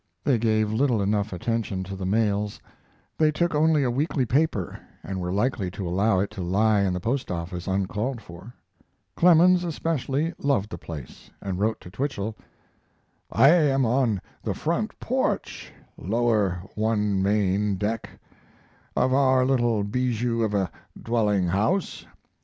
They gave little enough attention to the mails. They took only a weekly paper, and were likely to allow it to lie in the postoffice uncalled for. Clemens, especially, loved the place, and wrote to Twichell: I am on the front porch (lower one main deck) of our little bijou of a dwelling house.